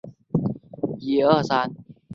大正四年分校。